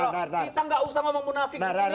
kita nggak usah ngomong munafik di sini